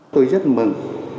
tôi rất mừng